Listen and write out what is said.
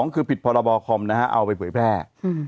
คือผิดพรบคอมนะฮะเอาไปเผยแพร่